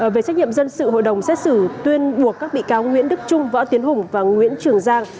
về trách nhiệm dân sự hội đồng xét xử tuyên buộc các bị cáo nguyễn đức trung võ tiến hùng và nguyễn trường giang